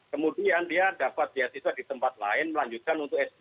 kemudian dia dapat beasiswa di tempat lain melanjutkan untuk sd